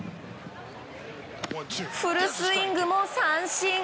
フルスイングも三振。